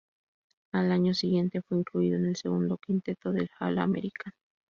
Al año siguiente fue incluido en el segundo quinteto del All-American.